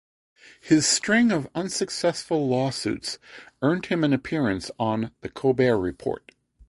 His string of unsuccessful lawsuits earned him an appearance on "The Colbert Report".